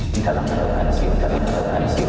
di dalam kelembagaan sipil